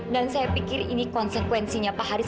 dan saya pikir ini konsekuensinya pak haris